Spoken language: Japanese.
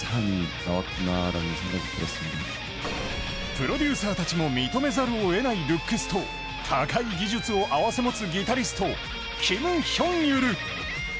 プロデューサーたちも認めざるをえないルックスと高い技術を持ち合わせ持つギタリスト、キム・ヒョンユル。